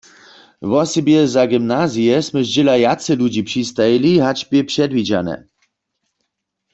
Wosebje za gymnazije smy zdźěla wjace ludźi přistajili, hač bě předwidźane.